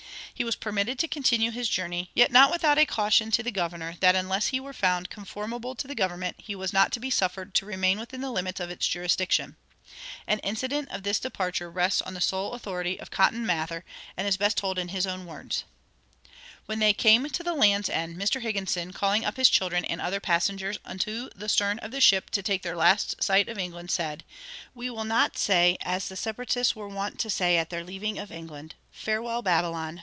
He was permitted to continue his journey, yet not without a caution to the governor that unless he were found "conformable to the government" he was not to be suffered to remain within the limits of its jurisdiction. An incident of this departure rests on the sole authority of Cotton Mather, and is best told in his own words: "When they came to the Land's End, Mr. Higginson, calling up his children and other passengers unto the stern of the ship to take their last sight of England, said, 'We will not say, as the Separatists were wont to say at their leaving of England, Farewell, Babylon!